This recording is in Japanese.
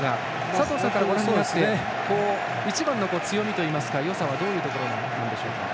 佐藤さんからご覧になって一番の強みというかよさはどういうところですか。